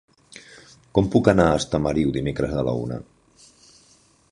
Com puc anar a Estamariu dimecres a la una?